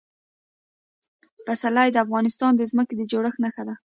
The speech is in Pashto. پسرلی د افغانستان د ځمکې د جوړښت نښه ده.